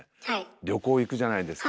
旅行行くじゃないですか。